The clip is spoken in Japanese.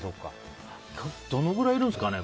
どのくらいいるんですかね